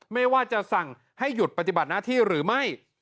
ไม่ว่าจะสั่งให้หยุดปฏิบัติหน้าที่หรือไม่